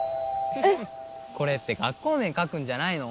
これって学校名書くんじゃないの？